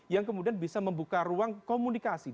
yang kemudian bisa membuka ruang komunikasi